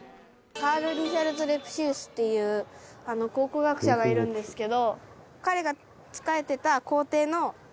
カール・リヒャルト・レプシウスっていう考古学者がいるんですけど。